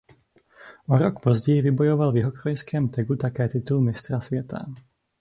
O rok později vybojoval v jihokorejském Tegu také titul mistra světa.